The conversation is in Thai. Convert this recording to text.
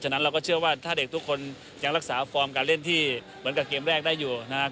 ฉะนั้นเราก็เชื่อว่าถ้าเด็กทุกคนยังรักษาฟอร์มการเล่นที่เหมือนกับเกมแรกได้อยู่นะครับ